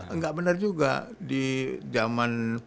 enggak bener juga di jaman